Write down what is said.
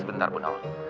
sebentar bu nawang